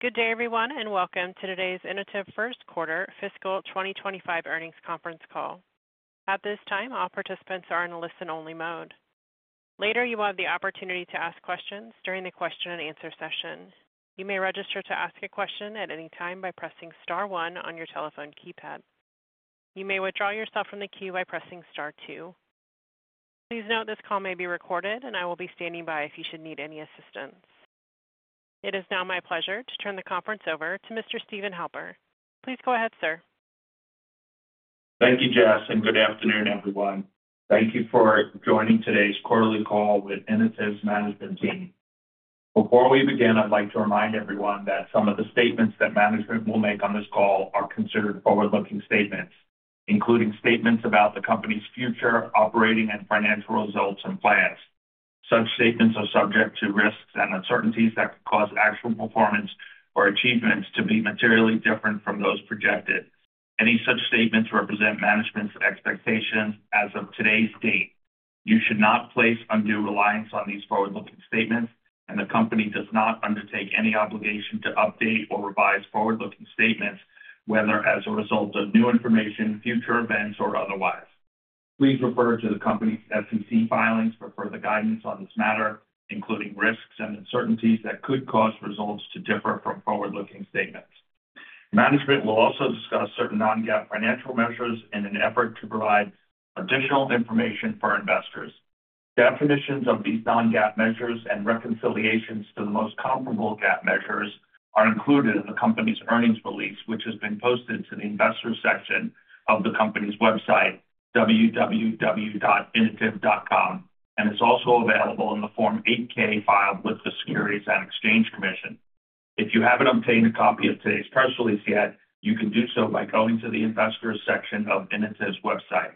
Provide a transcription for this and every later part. Good day, everyone, and welcome to today's Inotiv First Quarter Fiscal 2025 Earnings Conference Call. At this time, all participants are in a listen-only mode. Later, you will have the opportunity to ask questions during the question-and-answer session. You may register to ask a question at any time by pressing Star 1 on your telephone keypad. You may withdraw yourself from the queue by pressing Star 2. Please note this call may be recorded, and I will be standing by if you should need any assistance. It is now my pleasure to turn the conference over to Mr. Steven Halper. Please go ahead, sir. Thank you, Jess, and good afternoon, everyone. Thank you for joining today's quarterly call with Inotiv's management team. Before we begin, I'd like to remind everyone that some of the statements that management will make on this call are considered forward-looking statements, including statements about the company's future, operating, and financial results and plans. Such statements are subject to risks and uncertainties that could cause actual performance or achievements to be materially different from those projected. Any such statements represent management's expectations as of today's date. You should not place undue reliance on these forward-looking statements, and the company does not undertake any obligation to update or revise forward-looking statements, whether as a result of new information, future events, or otherwise. Please refer to the company's SEC filings for further guidance on this matter, including risks and uncertainties that could cause results to differ from forward-looking statements. Management will also discuss certain non-GAAP financial measures in an effort to provide additional information for investors. Definitions of these non-GAAP measures and reconciliations to the most comparable GAAP measures are included in the company's earnings release, which has been posted to the investor section of the company's website, www.inotiv.com, and is also available in the Form 8K filed with the Securities and Exchange Commission. If you haven't obtained a copy of today's press release yet, you can do so by going to the investor section of Inotiv's website.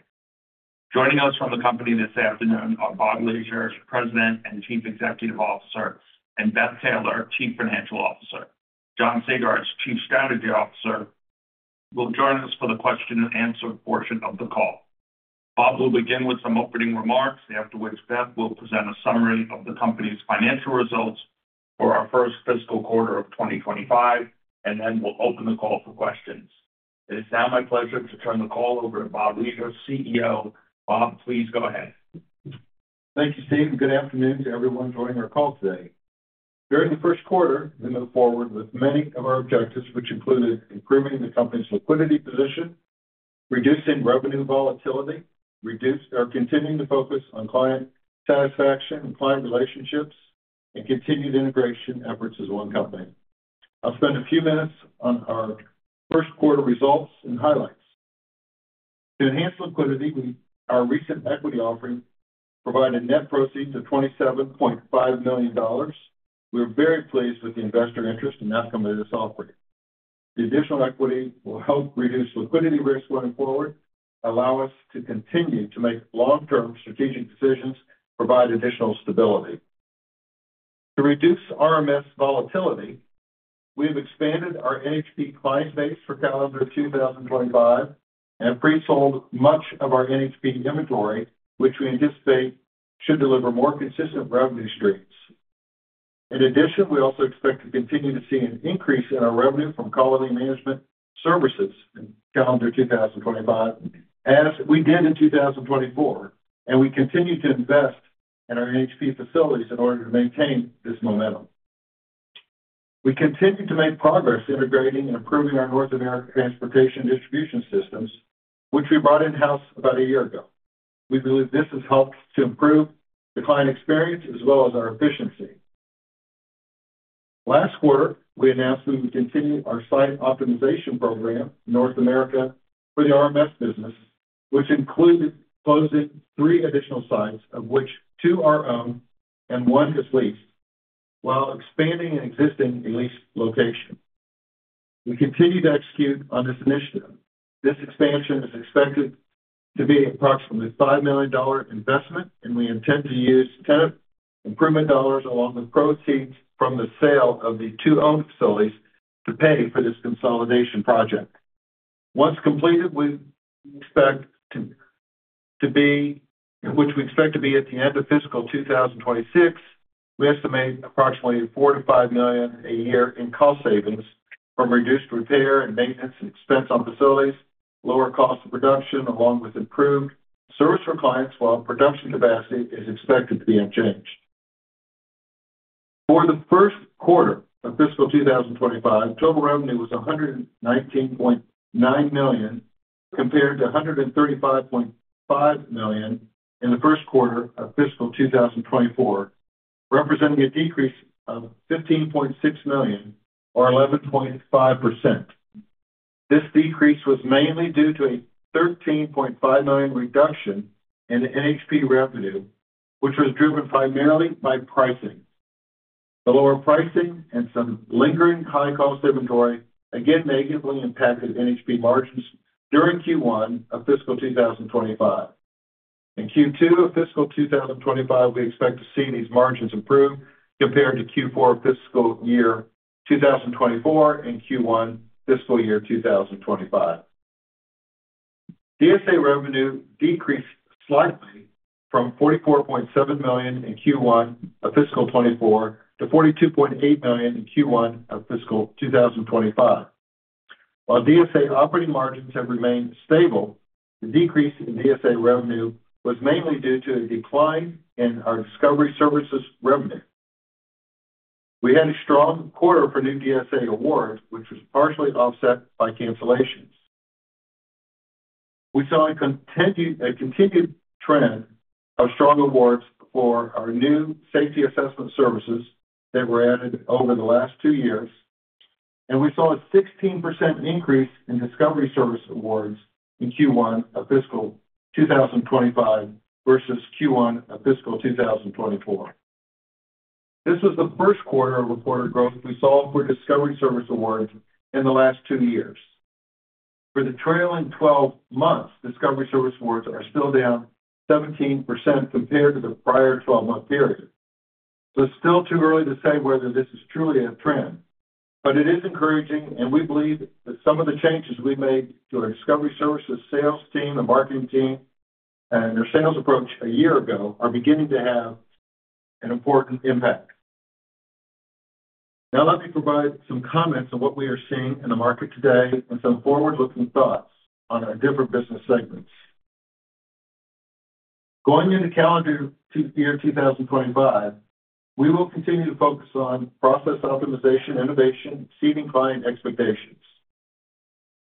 Joining us from the company this afternoon are Bob Leasure, President and Chief Executive Officer, and Beth Taylor, Chief Financial Officer. John Sagartz, Chief Strategy Officer, will join us for the question-and-answer portion of the call. Bob will begin with some opening remarks, after which Beth will present a summary of the company's financial results for our first fiscal quarter of 2025, and then we'll open the call for questions. It is now my pleasure to turn the call over to Bob Leasure, CEO. Bob, please go ahead. Thank you, Steve. Good afternoon to everyone joining our call today. During the first quarter, we moved forward with many of our objectives, which included improving the company's liquidity position, reducing revenue volatility, continuing to focus on client satisfaction and client relationships, and continued integration efforts as one company. I'll spend a few minutes on our first quarter results and highlights. To enhance liquidity, our recent equity offering provided net proceeds of $27.5 million. We're very pleased with the investor interest in our coming this offering. The additional equity will help reduce liquidity risk going forward, allow us to continue to make long-term strategic decisions, provide additional stability. To reduce RMS volatility, we've expanded our NHP client base for calendar 2025 and pre-sold much of our NHP inventory, which we anticipate should deliver more consistent revenue streams. In addition, we also expect to continue to see an increase in our revenue from quality management services in calendar 2025, as we did in 2024, and we continue to invest in our NHP facilities in order to maintain this momentum. We continue to make progress integrating and improving our North America transportation distribution systems, which we brought in-house about a year ago. We believe this has helped to improve the client experience as well as our efficiency. Last quarter, we announced we would continue our site optimization program, North America, for the RMS business, which included closing three additional sites, of which two are owned and one is leased, while expanding an existing leased location. We continue to execute on this initiative. This expansion is expected to be an approximately $5 million investment, and we intend to use tenant improvement dollars along with proceeds from the sale of the two owned facilities to pay for this consolidation project. Once completed, we expect to be at the end of fiscal 2026. We estimate approximately $4-$5 million a year in cost savings from reduced repair and maintenance expense on facilities, lower cost of production, along with improved service for clients, while production capacity is expected to be unchanged. For the first quarter of fiscal 2025, total revenue was $119.9 million compared to $135.5 million in the first quarter of fiscal 2024, representing a decrease of $15.6 million, or 11.5%. This decrease was mainly due to a $13.5 million reduction in NHP revenue, which was driven primarily by pricing. The lower pricing and some lingering high-cost inventory again negatively impacted NHP margins during Q1 of fiscal 2025. In Q2 of fiscal 2025, we expect to see these margins improve compared to Q4 of fiscal year 2024 and Q1 fiscal year 2025. DSA revenue decreased slightly from $44.7 million in Q1 of fiscal 2024 to $42.8 million in Q1 of fiscal 2025. While DSA operating margins have remained stable, the decrease in DSA revenue was mainly due to a decline in our discovery services revenue. We had a strong quarter for new DSA awards, which was partially offset by cancellations. We saw a continued trend of strong awards for our new safety assessment services that were added over the last two years, and we saw a 16% increase in discovery service awards in Q1 of fiscal 2025 versus Q1 of fiscal 2024. This was the first quarter of reported growth we saw for discovery service awards in the last two years. For the trailing 12 months, discovery service awards are still down 17% compared to the prior 12-month period. It is still too early to say whether this is truly a trend, but it is encouraging, and we believe that some of the changes we made to our discovery services sales team, the marketing team, and our sales approach a year ago are beginning to have an important impact. Now, let me provide some comments on what we are seeing in the market today and some forward-looking thoughts on our different business segments. Going into calendar year 2025, we will continue to focus on process optimization, innovation, exceeding client expectations.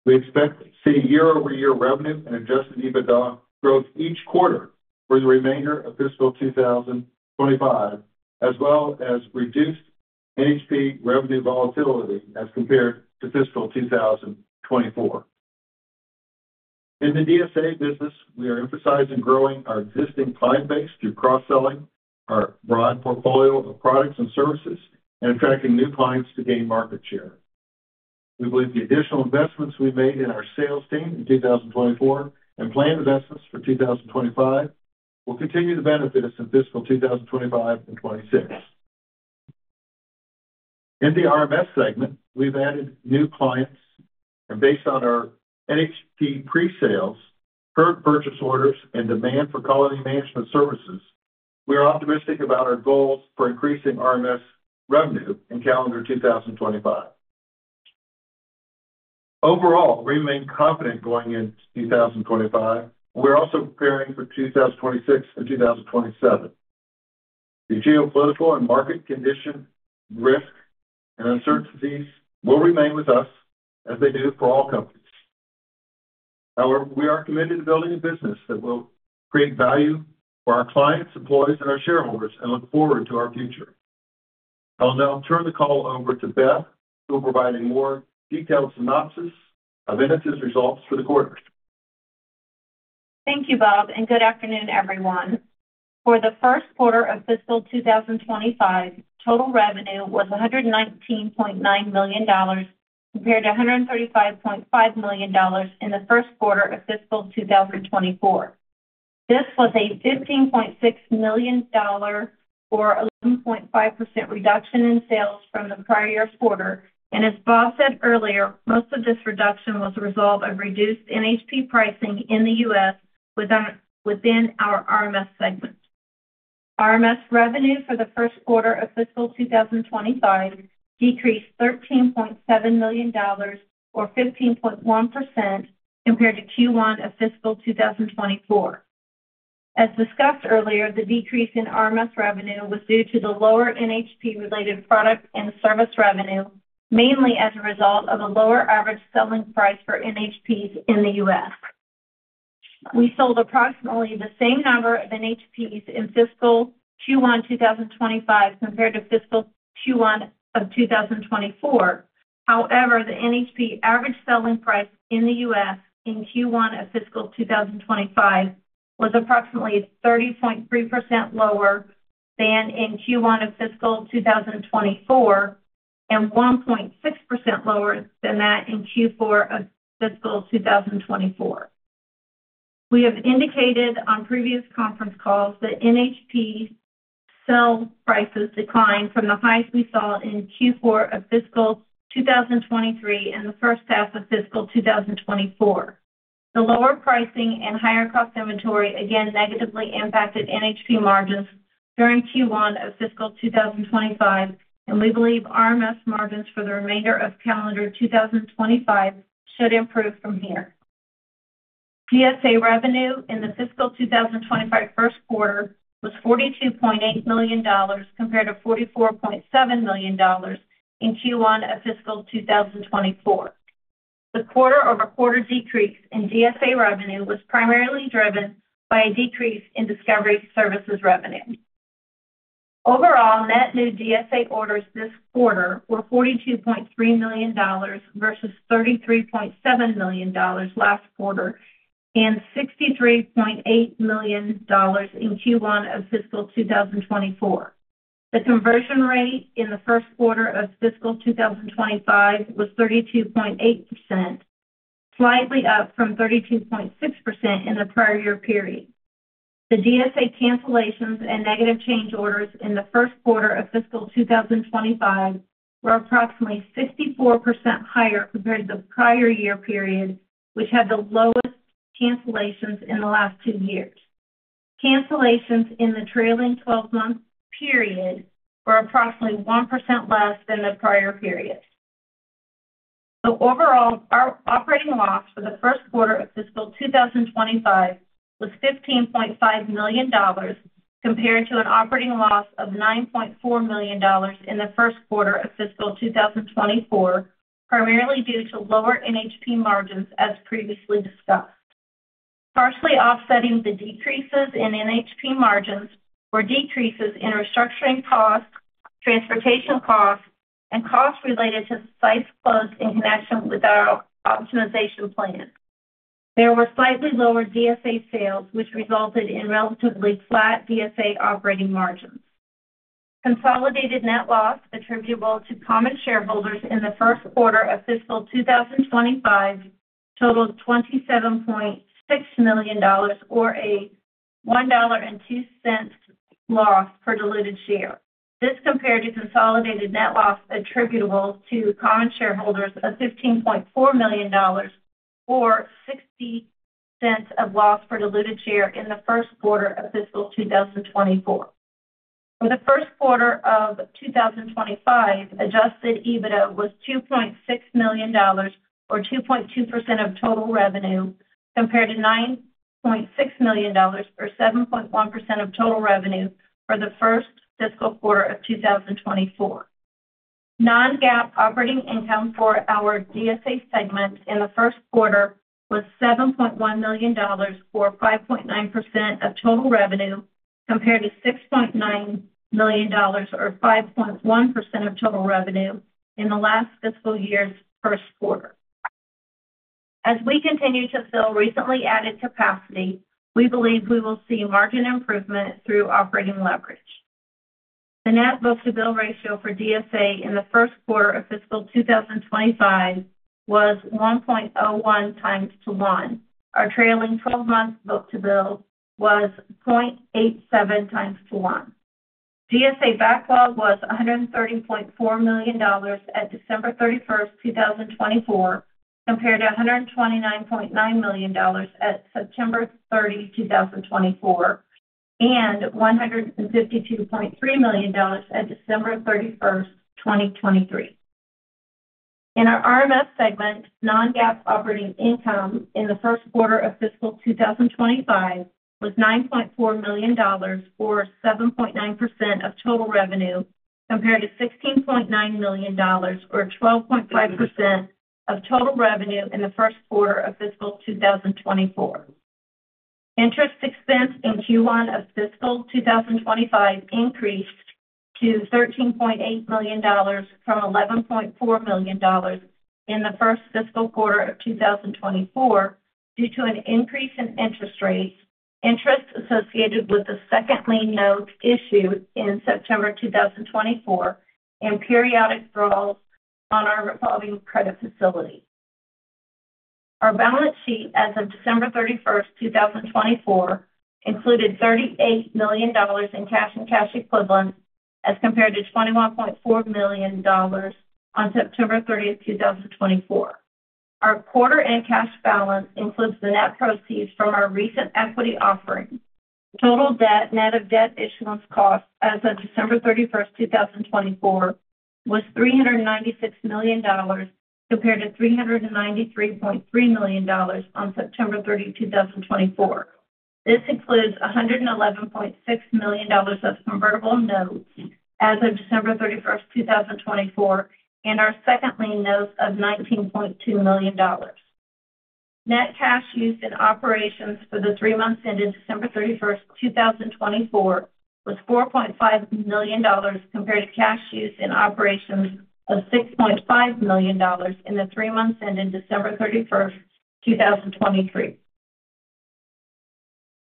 We expect to see year-over-year revenue and adjusted EBITDA growth each quarter for the remainder of fiscal 2025, as well as reduced NHP revenue volatility as compared to fiscal 2024. In the DSA business, we are emphasizing growing our existing client base through cross-selling our broad portfolio of products and services and attracting new clients to gain market share. We believe the additional investments we made in our sales team in 2024 and planned investments for 2025 will continue to benefit us in fiscal 2025 and 2026. In the RMS segment, we've added new clients, and based on our NHP pre-sales, current purchase orders, and demand for quality management services, we are optimistic about our goals for increasing RMS revenue in calendar 2025. Overall, we remain confident going into 2025, and we're also preparing for 2026 and 2027. The geopolitical and market condition, risk, and uncertainties will remain with us, as they do for all companies. However, we are committed to building a business that will create value for our clients, employees, and our shareholders, and look forward to our future. I'll now turn the call over to Beth, who will provide a more detailed synopsis of Inotiv's results for the quarter. Thank you, Bob, and good afternoon, everyone. For the first quarter of fiscal 2025, total revenue was $119.9 million compared to $135.5 million in the first quarter of fiscal 2024. This was a $15.6 million, or 11.5% reduction in sales from the prior quarter, and as Bob said earlier, most of this reduction was a result of reduced NHP pricing in the U.S. within our RMS segment. RMS revenue for the first quarter of fiscal 2025 decreased $13.7 million, or 15.1%, compared to Q1 of fiscal 2024. As discussed earlier, the decrease in RMS revenue was due to the lower NHP-related product and service revenue, mainly as a result of a lower average selling price for NHPs in the U.S. We sold approximately the same number of NHPs in fiscal Q1 2025 compared to fiscal Q1 of 2024. However, the NHP average selling price in the U.S. In Q1 of fiscal 2025 was approximately 30.3% lower than in Q1 of fiscal 2024 and 1.6% lower than that in Q4 of fiscal 2024. We have indicated on previous conference calls that NHP sell prices declined from the highs we saw in Q4 of fiscal 2023 and the first half of fiscal 2024. The lower pricing and higher cost inventory again negatively impacted NHP margins during Q1 of fiscal 2025, and we believe RMS margins for the remainder of calendar 2025 should improve from here. DSA revenue in the fiscal 2025 first quarter was $42.8 million compared to $44.7 million in Q1 of fiscal 2024. The quarter-over-quarter decrease in DSA revenue was primarily driven by a decrease in discovery services revenue. Overall, net new DSA orders this quarter were $42.3 million versus $33.7 million last quarter and $63.8 million in Q1 of fiscal 2024. The conversion rate in the first quarter of fiscal 2025 was 32.8%, slightly up from 32.6% in the prior year period. The DSA cancellations and negative change orders in the first quarter of fiscal 2025 were approximately 54% higher compared to the prior year period, which had the lowest cancellations in the last two years. Cancellations in the trailing 12-month period were approximately 1% less than the prior period. The overall operating loss for the first quarter of fiscal 2025 was $15.5 million compared to an operating loss of $9.4 million in the first quarter of fiscal 2024, primarily due to lower NHP margins as previously discussed. Partially offsetting the decreases in NHP margins were decreases in restructuring costs, transportation costs, and costs related to sites closed in connection with our optimization plan. There were slightly lower DSA sales, which resulted in relatively flat DSA operating margins. Consolidated net loss attributable to common shareholders in the first quarter of fiscal 2025 totaled $27.6 million, or a $1.02 loss per diluted share. This compared to consolidated net loss attributable to common shareholders of $15.4 million, or $0.60 of loss per diluted share in the first quarter of fiscal 2024. For the first quarter of 2025, adjusted EBITDA was $2.6 million, or 2.2% of total revenue, compared to $9.6 million, or 7.1% of total revenue for the first fiscal quarter of 2024. Non-GAAP operating income for our DSA segment in the first quarter was $7.1 million, or 5.9% of total revenue, compared to $6.9 million, or 5.1% of total revenue in the last fiscal year's first quarter. As we continue to fill recently added capacity, we believe we will see margin improvement through operating leverage. The net book-to-bill ratio for DSA in the first quarter of fiscal 2025 was 1.01 times to 1. Our trailing 12-month book-to-bill was 0.87 times to 1. DSA backlog was $130.4 million at December 31st, 2024, compared to $129.9 million at September 30, 2024, and $152.3 million at December 31st, 2023. In our RMS segment, non-GAAP operating income in the first quarter of fiscal 2025 was $9.4 million, or 7.9% of total revenue, compared to $16.9 million, or 12.5% of total revenue in the first quarter of fiscal 2024. Interest expense in Q1 of fiscal 2025 increased to $13.8 million from $11.4 million in the first fiscal quarter of 2024 due to an increase in interest rates, interest associated with the second lien notes issued in September 2024, and periodic draws on our revolving credit facility. Our balance sheet as of December 31st, 2024, included $38 million in cash and cash equivalents as compared to $21.4 million on September 30, 2024. Our quarter-end cash balance includes the net proceeds from our recent equity offering. Total net of debt issuance costs as of December 31st, 2024, was $396 million compared to $393.3 million on September 30th, 2024. This includes $111.6 million of convertible notes as of December 31st, 2024, and our second lien notes of $19.2 million. Net cash used in operations for the three months ended December 31stst, 2024, was $4.5 million compared to cash used in operations of $6.5 million in the three months ended December 31st, 2023.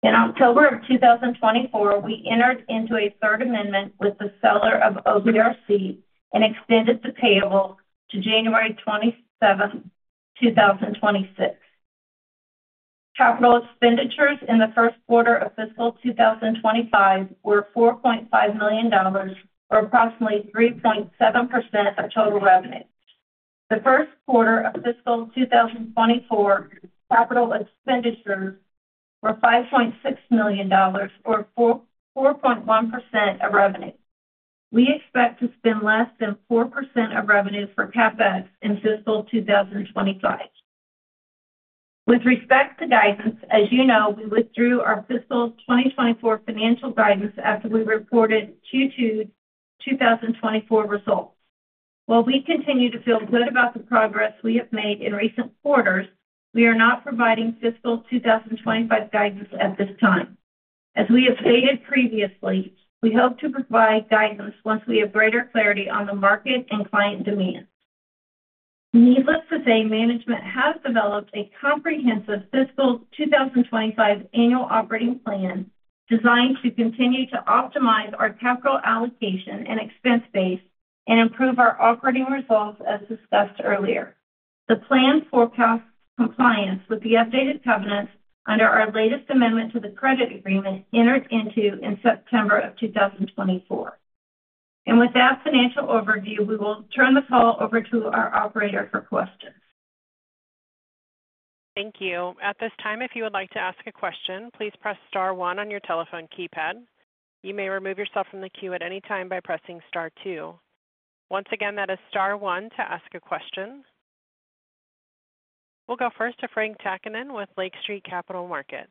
In October of 2024, we entered into a Third Amendment with the seller of OVRC and extended the payable to January 27th, 2026. Capital expenditures in the first quarter of fiscal 2025 were $4.5 million, or approximately 3.7% of total revenue. The first quarter of fiscal 2024, capital expenditures were $5.6 million, or 4.1% of revenue. We expect to spend less than 4% of revenue for CapEx in fiscal 2025. With respect to guidance, as you know, we withdrew our fiscal 2024 financial guidance after we reported Q2 2024 results. While we continue to feel good about the progress we have made in recent quarters, we are not providing fiscal 2025 guidance at this time. As we have stated previously, we hope to provide guidance once we have greater clarity on the market and client demands. Needless to say, management has developed a comprehensive fiscal 2025 annual operating plan designed to continue to optimize our capital allocation and expense base and improve our operating results as discussed earlier. The plan forecasts compliance with the updated covenants under our latest amendment to the credit agreement entered into in September of 2024. With that financial overview, we will turn the call over to our operator for questions. Thank you. At this time, if you would like to ask a question, please press Star 1 on your telephone keypad. You may remove yourself from the queue at any time by pressing Star 2. Once again, that is Star 1 to ask a question. We'll go first to Frank Takkinen with Lake Street Capital Markets.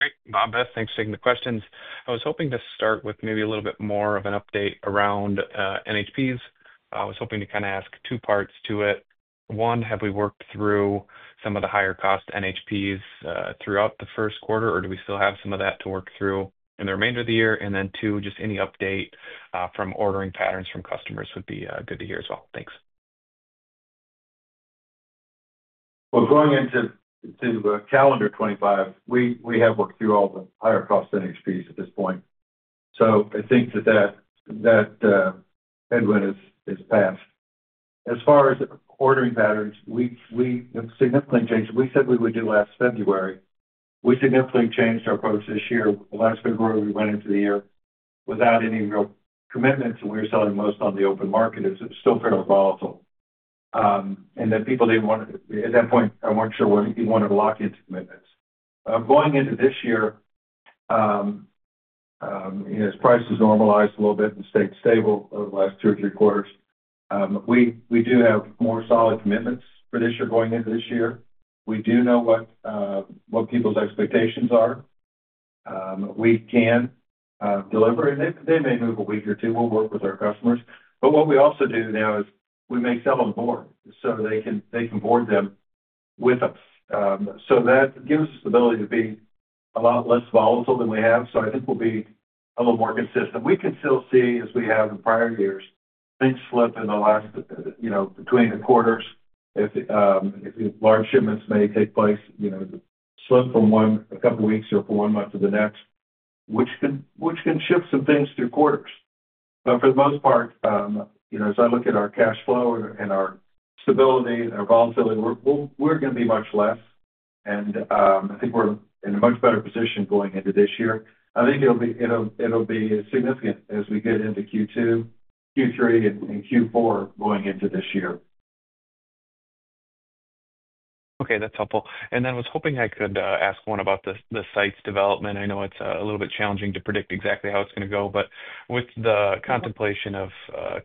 Great. Bob, Beth, thanks for taking the questions. I was hoping to start with maybe a little bit more of an update around NHPs. I was hoping to kind of ask two parts to it. One, have we worked through some of the higher-cost NHPs throughout the first quarter, or do we still have some of that to work through in the remainder of the year? Two, just any update from ordering patterns from customers would be good to hear as well. Thanks. Going into calendar 2025, we have worked through all the higher-cost NHPs at this point. I think that that headwind is past. As far as ordering patterns, we have significantly changed. We said we would do last February. We significantly changed our approach this year. Last February, we went into the year without any real commitments, and we were selling most on the open market. It is still fairly volatile. People did not want to, at that point, were not sure you wanted to lock into commitments. Going into this year, as prices normalized a little bit and stayed stable over the last two or three quarters, we do have more solid commitments for this year going into this year. We do know what people's expectations are. We can deliver, and they may move a week or two. We will work with our customers. What we also do now is we may sell them board so they can board them with us. That gives us the ability to be a lot less volatile than we have. I think we'll be a little more consistent. We can still see, as we have in prior years, things slip in the last, you know, between the quarters. If large shipments may take place, you know, slip from one a couple of weeks or for one month to the next, which can shift some things through quarters. For the most part, you know, as I look at our cash flow and our stability and our volatility, we're going to be much less. I think we're in a much better position going into this year. I think it'll be significant as we get into Q2, Q3, and Q4 going into this year. Okay. That's helpful. I was hoping I could ask one about the site's development. I know it's a little bit challenging to predict exactly how it's going to go. With the contemplation of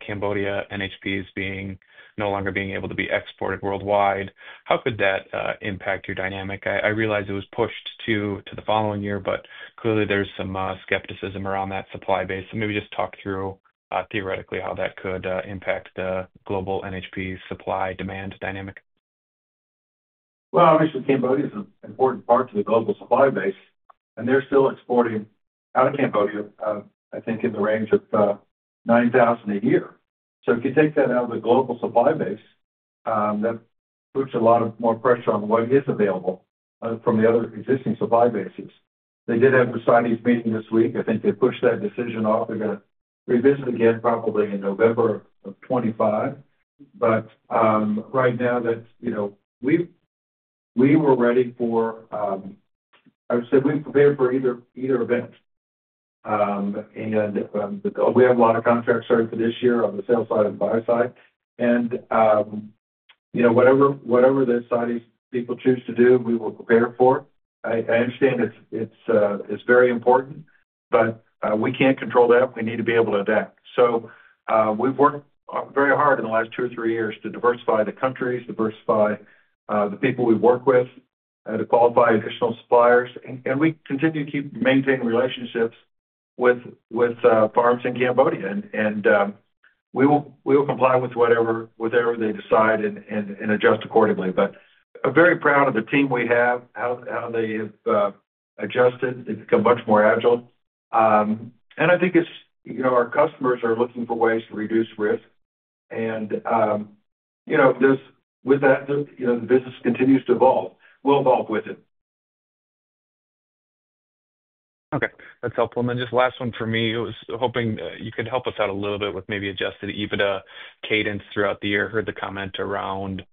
Cambodia NHPs no longer being able to be exported worldwide, how could that impact your dynamic? I realize it was pushed to the following year, but clearly there's some skepticism around that supply base. Maybe just talk through theoretically how that could impact the global NHP supply-demand dynamic. Obviously, Cambodia is an important part to the global supply base, and they're still exporting out of Cambodia, I think, in the range of 9,000 a year. If you take that out of the global supply base, that puts a lot more pressure on what is available from the other existing supply bases. They did have the Saudis meeting this week. I think they pushed that decision off. They're going to revisit again probably in November of 2025. Right now, we were ready for, I would say, we prepared for either event. We have a lot of contracts starting for this year on the sales side and buy side. Whatever the Saudis people choose to do, we will prepare for it. I understand it's very important, but we can't control that. We need to be able to adapt. We have worked very hard in the last two or three years to diversify the countries, diversify the people we work with, to qualify additional suppliers. We continue to keep maintaining relationships with farms in Cambodia. We will comply with whatever they decide and adjust accordingly. I am very proud of the team we have, how they have adjusted. They have become much more agile. I think our customers are looking for ways to reduce risk. With that, the business continues to evolve. We will evolve with it. Okay. That's helpful. Then just last one for me. I was hoping you could help us out a little bit with maybe adjusted EBITDA cadence throughout the year. I heard the comment around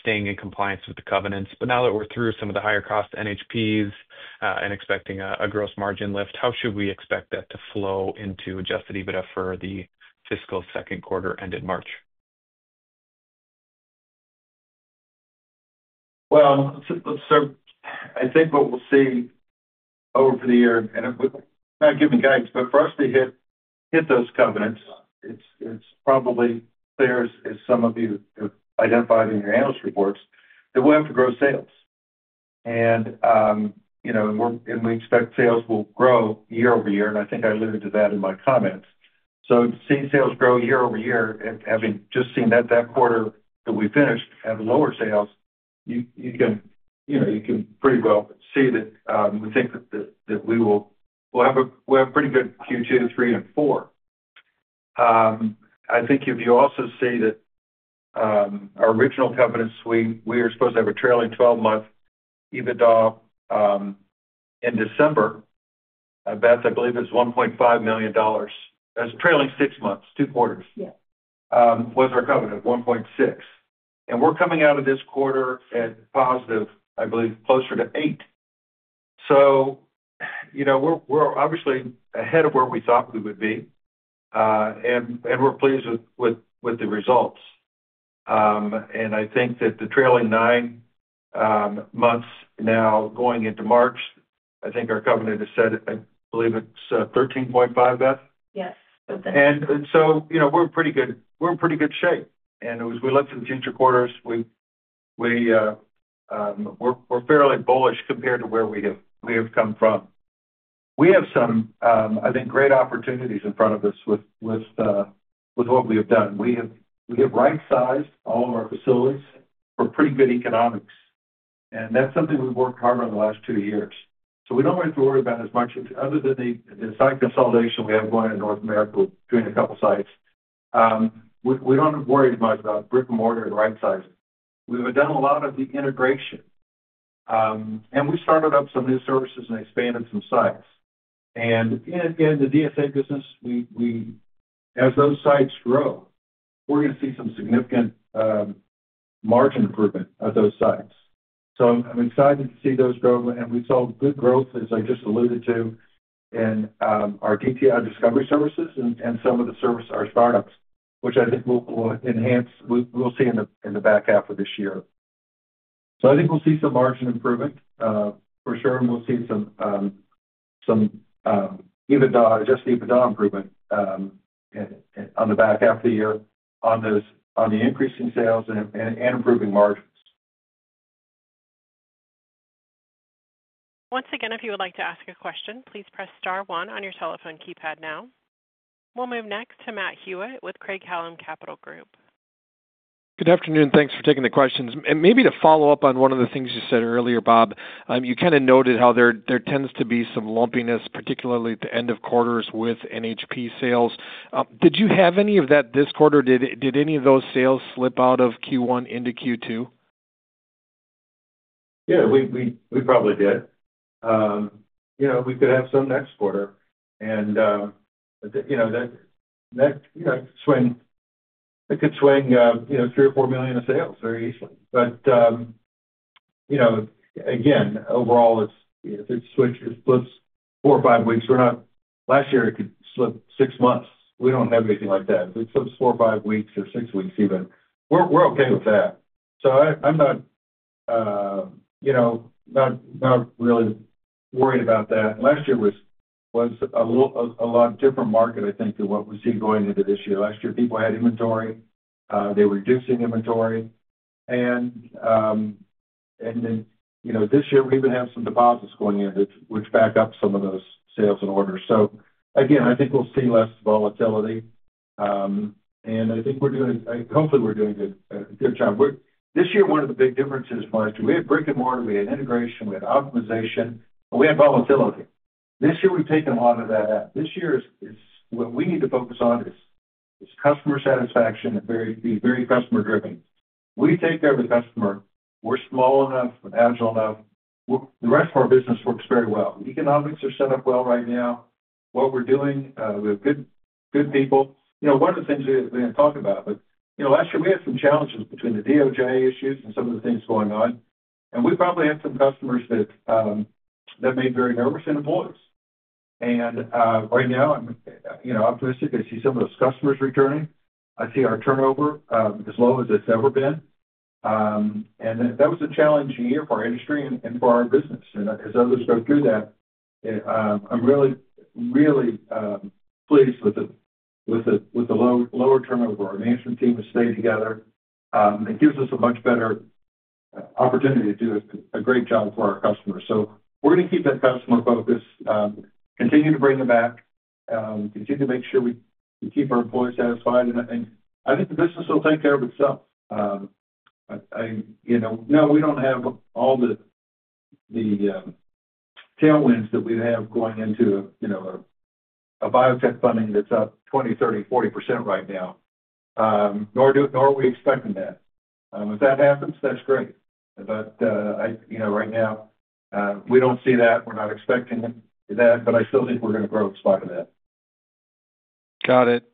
staying in compliance with the covenants. Now that we're through some of the higher-cost NHPs and expecting a gross margin lift, how should we expect that to flow into adjusted EBITDA for the fiscal second quarter ended March? I think what we'll see over the year, and I'm not giving guidance, but for us to hit those covenants, it's probably clear, as some of you have identified in your analyst reports, that we'll have to grow sales. We expect sales will grow year over year. I think I alluded to that in my comments. To see sales grow year over year, having just seen that that quarter that we finished have lower sales, you can pretty well see that we think that we will have a pretty good Q2, Q3, and Q4. I think if you also see that our original covenants, we are supposed to have a trailing 12-month EBITDA in December. Beth, I believe it's $1.5 million. That's trailing six months, two quarters, was our covenant, $1.6 million. We're coming out of this quarter at positive, I believe, closer to $8 million. We're obviously ahead of where we thought we would be, and we're pleased with the results. I think that the trailing nine months now going into March, I think our covenant is set, I believe it's 13.5, Beth? Yes. We're in pretty good shape. As we look to the future quarters, we're fairly bullish compared to where we have come from. We have some, I think, great opportunities in front of us with what we have done. We have right-sized all of our facilities for pretty good economics. That's something we've worked hard on the last two years. We don't have to worry about as much other than the site consolidation we have going on in North America during a couple of sites. We don't worry as much about brick and mortar and right-sizing. We've done a lot of the integration. We started up some new services and expanded some sites. In the DSA business, as those sites grow, we're going to see some significant margin improvement at those sites. I'm excited to see those growth. We saw good growth, as I just alluded to, in our discovery services and some of the service, our startups, which I think will enhance, we'll see in the back half of this year. I think we'll see some margin improvement for sure. We'll see some adjusted EBITDA improvement on the back half of the year on the increasing sales and improving margins. Once again, if you would like to ask a question, please press Star 1 on your telephone keypad now. We'll move next to Matt Hewitt with Craig-Hallum Capital Group. Good afternoon. Thanks for taking the questions. Maybe to follow up on one of the things you said earlier, Bob, you kind of noted how there tends to be some lumpiness, particularly at the end of quarters with NHP sales. Did you have any of that this quarter? Did any of those sales slip out of Q1 into Q2? Yeah, we probably did. We could have some next quarter. That could swing $3 million-$4 million in sales very easily. Again, overall, if it flips four or five weeks, we're not last year, it could slip six months. We don't have anything like that. If it slips four or five weeks or six weeks even, we're okay with that. I'm not really worried about that. Last year was a lot different market, I think, than what we see going into this year. Last year, people had inventory. They were reducing inventory. This year, we even have some deposits going in, which back up some of those sales and orders. I think we'll see less volatility. I think we're doing, hopefully we're doing a good job. This year, one of the big differences from last year, we had brick and mortar. We had integration. We had optimization. We had volatility. This year, we have taken a lot of that out. This year, what we need to focus on is customer satisfaction and being very customer-driven. We take care of the customer. We are small enough, agile enough. The rest of our business works very well. Economics are set up well right now. What we are doing, we have good people. One of the things we did not talk about, but last year, we had some challenges between the DOJ issues and some of the things going on. We probably had some customers that made very nervous employees. Right now, I am optimistic. I see some of those customers returning. I see our turnover as low as it has ever been. That was a challenging year for our industry and for our business. As others go through that, I'm really, really pleased with the lower turnover. Our management team has stayed together. It gives us a much better opportunity to do a great job for our customers. We are going to keep that customer focus, continue to bring them back, continue to make sure we keep our employees satisfied. I think the business will take care of itself. No, we do not have all the tailwinds that we have going into a biotech funding that is up 20%-30%-40% right now, nor are we expecting that. If that happens, that is great. Right now, we do not see that. We are not expecting that. I still think we are going to grow in spite of that. Got it.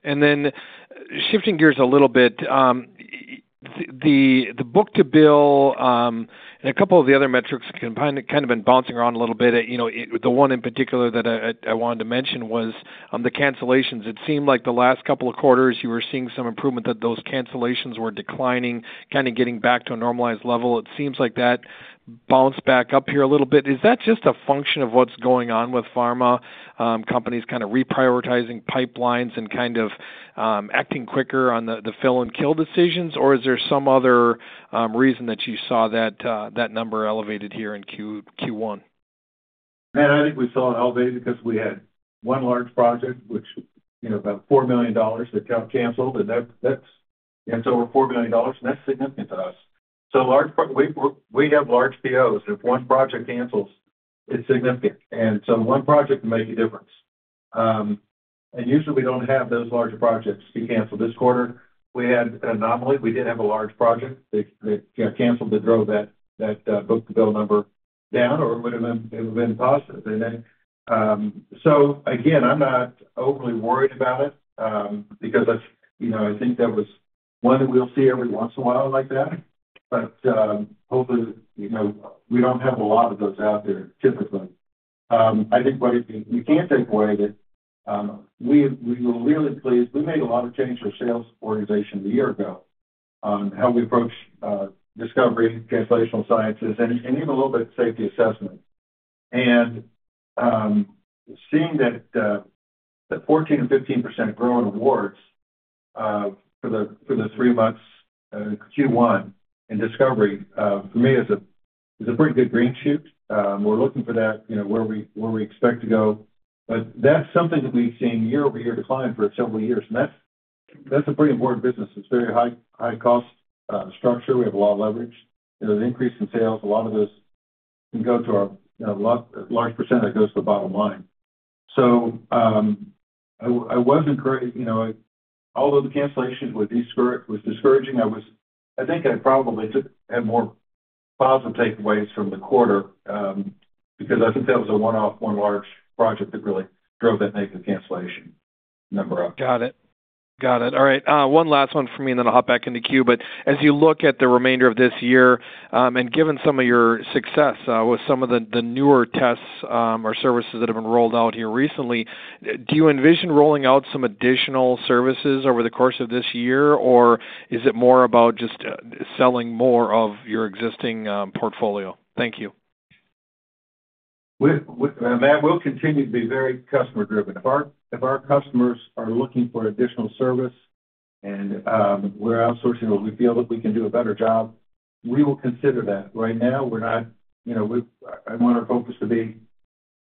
Shifting gears a little bit, the book to bill and a couple of the other metrics have kind of been bouncing around a little bit. The one in particular that I wanted to mention was the cancellations. It seemed like the last couple of quarters, you were seeing some improvement that those cancellations were declining, kind of getting back to a normalized level. It seems like that bounced back up here a little bit. Is that just a function of what's going on with pharma companies kind of reprioritizing pipelines and kind of acting quicker on the fill and kill decisions? Is there some other reason that you saw that number elevated here in Q1? I think we saw it elevated because we had one large project, which was about $4 million that got canceled. And that's over $4 million. That's significant to us. We have large POs, and if one project cancels, it's significant. One project can make a difference. Usually, we don't have those larger projects be canceled. This quarter, we had an anomaly. We did have a large project that got canceled that drove that book-to-bill number down or it would have been positive. Again, I'm not overly worried about it because I think that was one that we'll see every once in a while like that. Hopefully, we don't have a lot of those out there typically. I think what we can't take away is that we were really pleased. We made a lot of change to our sales organization a year ago on how we approach discovery, translational sciences, and even a little bit of safety assessment. Seeing that 14%-15% grow in awards for the three months Q1 in discovery, for me, is a pretty good green shoot. We're looking for that where we expect to go. That's something that we've seen year over year decline for several years. That's a pretty important business. It's very high-cost structure. We have a lot of leverage. There's an increase in sales. A lot of those can go to a large percent that goes to the bottom line. I was encouraged. Although the cancellation was discouraging, I think I probably had more positive takeaways from the quarter because I think that was a one-off, one large project that really drove that negative cancellation number up. Got it. Got it. All right. One last one for me, and then I'll hop back into Q. As you look at the remainder of this year and given some of your success with some of the newer tests or services that have been rolled out here recently, do you envision rolling out some additional services over the course of this year? Or is it more about just selling more of your existing portfolio? Thank you. Matt, we'll continue to be very customer-driven. If our customers are looking for additional service and we're outsourcing or we feel that we can do a better job, we will consider that. Right now, we're not. I want our focus to be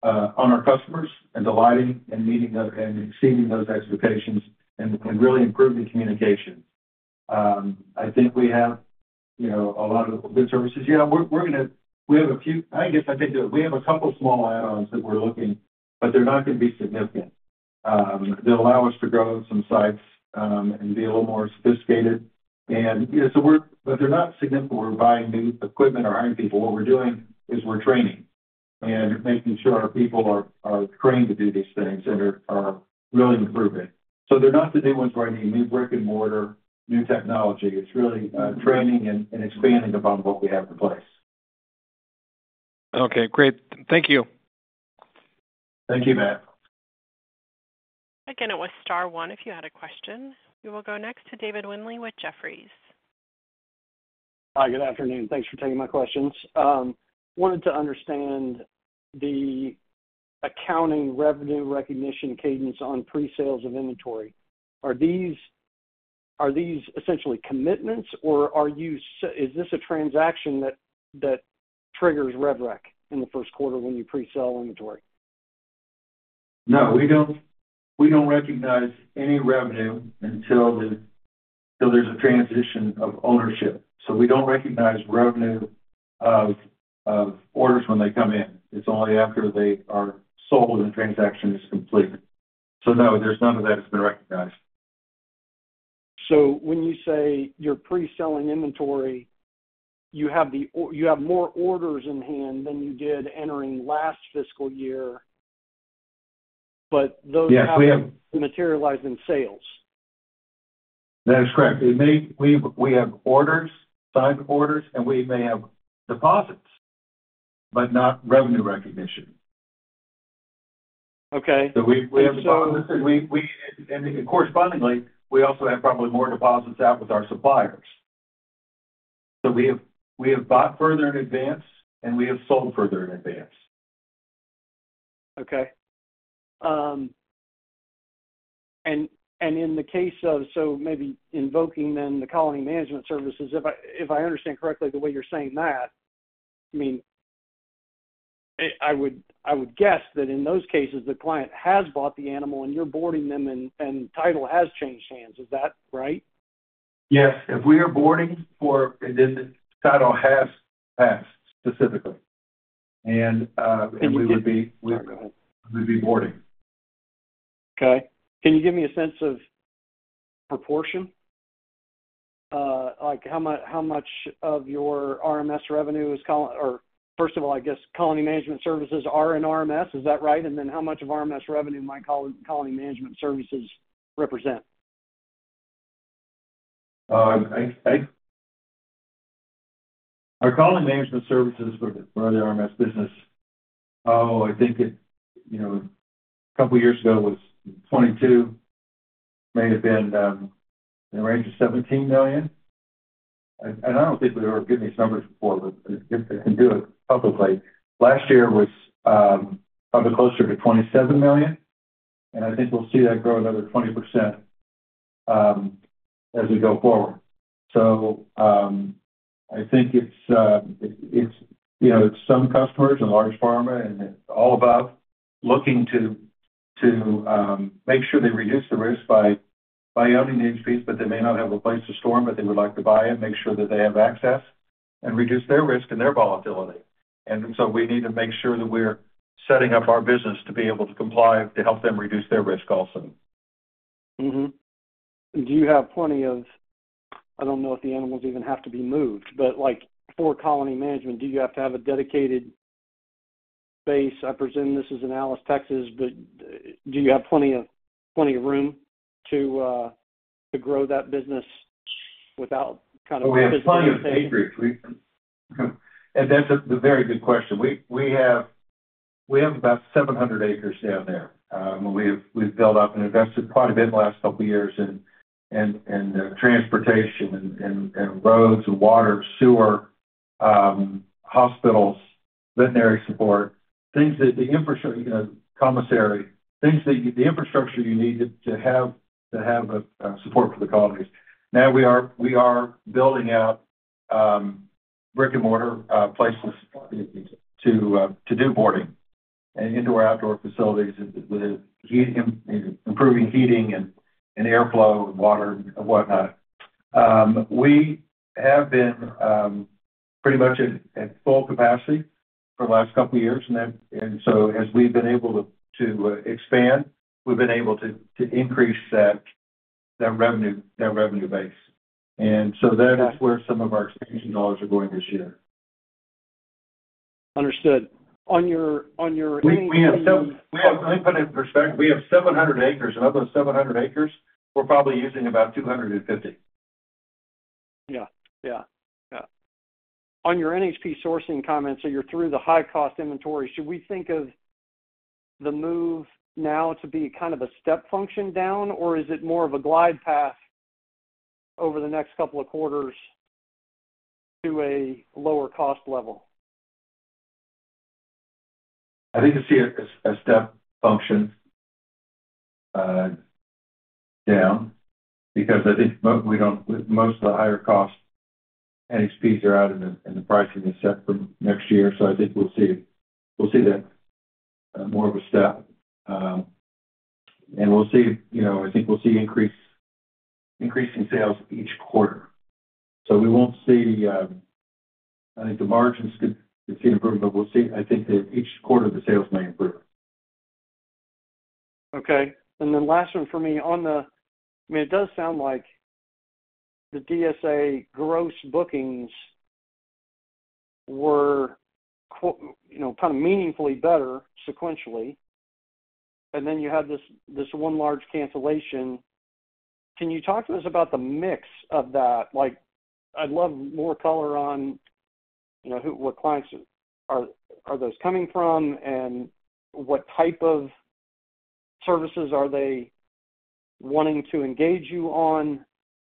on our customers and delighting and meeting and exceeding those expectations and really improving communication. I think we have a lot of good services. Yeah, we're going to—we have a few—I guess I take that—we have a couple of small add-ons that we're looking, but they're not going to be significant. They'll allow us to grow some sites and be a little more sophisticated. They're not significant. We're not buying new equipment or hiring people. What we're doing is we're training and making sure our people are trained to do these things and are really improving. They're not the new ones we're going to need. New brick and mortar, new technology. It's really training and expanding upon what we have in place. Okay. Great. Thank you. Thank you, Matt. Again, it was Star 1 if you had a question. We will go next to David Windley with Jefferies. Hi. Good afternoon. Thanks for taking my questions. Wanted to understand the accounting revenue recognition cadence on pre-sales of inventory. Are these essentially commitments? Or is this a transaction that triggers revenue recognition in the first quarter when you pre-sell inventory? No, we don't recognize any revenue until there's a transition of ownership. We don't recognize revenue of orders when they come in. It's only after they are sold and the transaction is complete. No, there's none of that that's been recognized. When you say you're pre-selling inventory, you have more orders in hand than you did entering last fiscal year, but those haven't materialized in sales. That is correct. We have orders, signed orders, and we may have deposits, but not revenue recognition. Okay. We have deposits. Correspondingly, we also have probably more deposits out with our suppliers. We have bought further in advance, and we have sold further in advance. Okay. In the case of maybe invoking then the colony management services, if I understand correctly the way you're saying that, I mean, I would guess that in those cases, the client has bought the animal, and you're boarding them, and title has changed hands. Is that right? Yes. If we are boarding for and then the title has passed specifically, we would be boarding. Okay. Can you give me a sense of proportion? Like how much of your RMS revenue is or first of all, I guess, Colony Management Services are in RMS. Is that right? And then how much of RMS revenue might Colony Management Services represent? Our colony management services for the RMS business, I think a couple of years ago was 2022, may have been in the range of $17 million. I do not think we have ever given these numbers before, but I can do it publicly. Last year was probably closer to $27 million. I think we will see that grow another 20% as we go forward. I think it is some customers and large pharma and all above looking to make sure they reduce the risk by owning the NHPs, but they may not have a place to store them, but they would like to buy it, make sure that they have access, and reduce their risk and their volatility. We need to make sure that we are setting up our business to be able to comply to help them reduce their risk also. Do you have plenty of I don't know if the animals even have to be moved, but for colony management, do you have to have a dedicated base? I presume this is in Alice, Texas, but do you have plenty of room to grow that business without kind of. We have plenty of acreage. That's a very good question. We have about 700 acres down there. We've built up and invested quite a bit in the last couple of years in transportation and roads and water and sewer, hospitals, veterinary support, things that the infrastructure commissary, things that the infrastructure you need to have support for the colonies. Now we are building out brick and mortar places to do boarding and indoor outdoor facilities with improving heating and airflow and water and whatnot. We have been pretty much at full capacity for the last couple of years. As we've been able to expand, we've been able to increase that revenue base. That is where some of our expansion dollars are going this year. Understood. On your. We have put in perspective, we have 700 acres. Of those 700 acres, we're probably using about 250. Yeah. Yeah. On your NHP sourcing comments, so you're through the high-cost inventory. Should we think of the move now to be kind of a step function down? Or is it more of a glide path over the next couple of quarters to a lower cost level? I think it's a step function down because I think most of the higher-cost NHPs are out in the pricing that's set for next year. I think we'll see that more of a step. I think we'll see increasing sales each quarter. We won't see, I think, the margins could see improvement, but I think that each quarter the sales may improve. Okay. And then last one for me. I mean, it does sound like the DSA gross bookings were kind of meaningfully better sequentially. You had this one large cancellation. Can you talk to us about the mix of that? I'd love more color on what clients are those coming from and what type of services are they wanting to engage you on.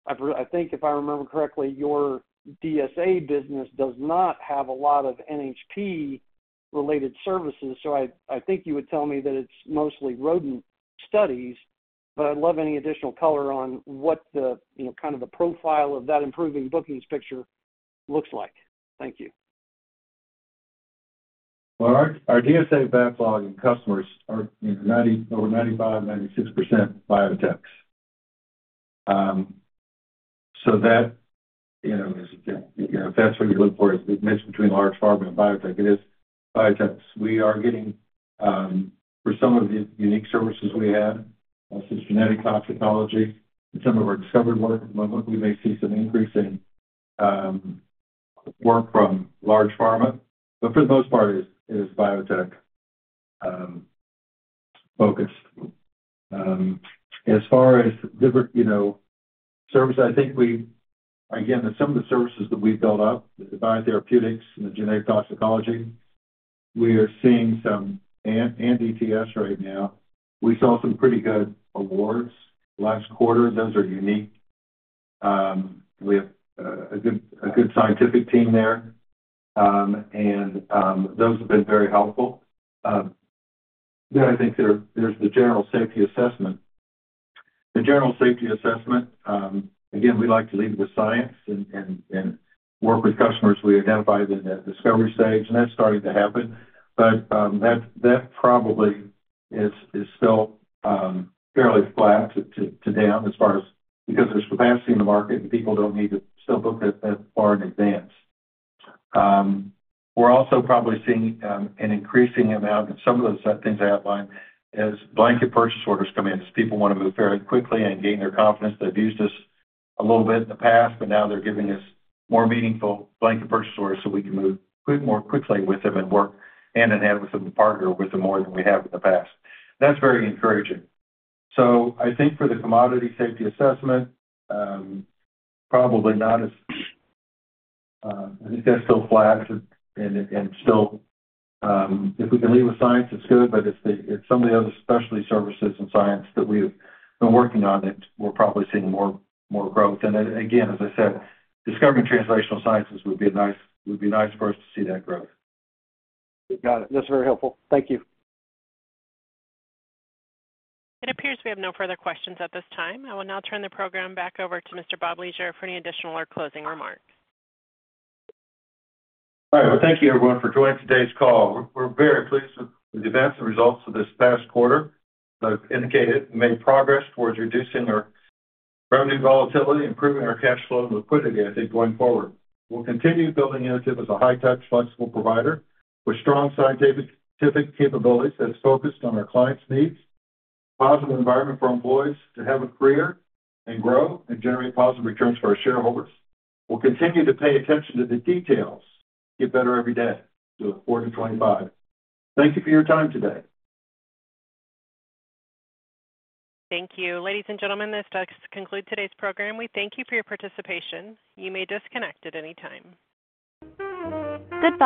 I think if I remember correctly, your DSA business does not have a lot of NHP-related services. I think you would tell me that it's mostly rodent studies. I'd love any additional color on what the kind of the profile of that improving bookings picture looks like. Thank you. Our DSA backlog in customers are over 95-96% biotechs. If that's what you're looking for, it's mixed between large pharma and biotech. It is biotechs. We are getting, for some of the unique services we have, such as genetic toxicology and some of our discovery work at the moment, we may see some increase in work from large pharma. For the most part, it is biotech focused. As far as different services, I think we, again, some of the services that we've built up, the biotherapeutics and the genetic toxicology, we are seeing some in DSA right now. We saw some pretty good awards last quarter. Those are unique. We have a good scientific team there. Those have been very helpful. I think there's the general safety assessment. The general safety assessment, again, we'd like to leave it with science and work with customers. We identify them at the discovery stage. That's starting to happen. That probably is still fairly flat to down as far as because there's capacity in the market and people don't need to still book that far in advance. We're also probably seeing an increasing amount of some of those things I outlined as blanket purchase orders come in as people want to move fairly quickly and gain their confidence. They've used us a little bit in the past, but now they're giving us more meaningful blanket purchase orders so we can move more quickly with them and work hand in hand with them and partner with them more than we have in the past. That's very encouraging. I think for the commodity safety assessment, probably not as I think that's still flat. If we can lead with science, it's good. It's some of the other specialty services and science that we've been working on that we're probably seeing more growth. Again, as I said, discovering translational sciences would be nice for us to see that growth. Got it. That's very helpful. Thank you. It appears we have no further questions at this time. I will now turn the program back over to Mr. Bob Leasure for any additional or closing remarks. All right. Thank you, everyone, for joining today's call. We are very pleased with the events and results of this past quarter. As I have indicated, we made progress towards reducing our revenue volatility, improving our cash flow and liquidity. I think, going forward, we will continue building Inotiv as a high-touch, flexible provider with strong scientific capabilities that is focused on our clients' needs, a positive environment for employees to have a career and grow, and generate positive returns for our shareholders. We will continue to pay attention to the details and get better every day. To 4 to 25. Thank you for your time today. Thank you. Ladies and gentlemen, this does conclude today's program. We thank you for your participation. You may disconnect at any time. Good.